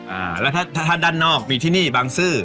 อ่าแล้วถ้าถ้าด้านนอกมีที่นี่บางซื่อ